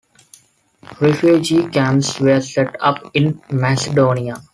Refugee camps were set up in Macedonia.